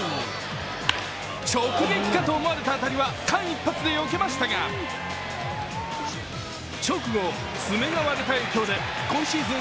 直撃かと思われた当たりは間一髪でよけましたが直後、爪が割れた影響で今シーズン